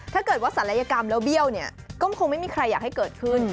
ถ้าเกิดว่าศัลยกรรมแล้วเบี้ยวเนี่ยก็คงไม่มีใครอยากให้เกิดขึ้น